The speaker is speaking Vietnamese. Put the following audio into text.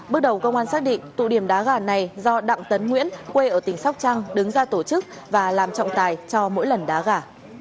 bước đầu công an xác định tụ điểm đá gà này do đặng tấn nguyễn quê ở tỉnh sóc trăng đứng ra tổ chức và làm trọng tài cho mỗi lần đá gà